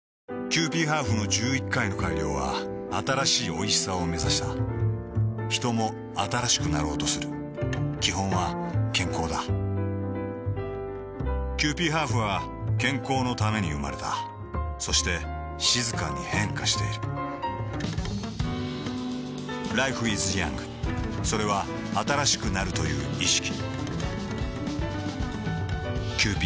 キユーピーハーフの１１回の改良は新しいおいしさをめざしたヒトも新しくなろうとする基本は健康だキユーピーハーフは健康のために生まれたそして静かに変化しているＬｉｆｅｉｓｙｏｕｎｇ．それは新しくなるという意識